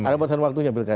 ada batasan waktunya bilkada